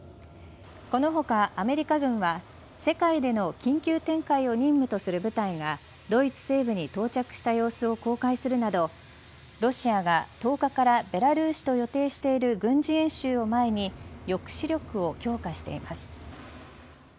この他、アメリカ軍は世界での緊急展開を任務とする部隊がドイツ西部に到着した様子を公開するなどロシアが１０日からベラルーシと予定している軍事演習を前に抑止力を強化しています。